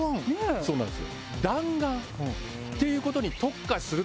そうなんですよ。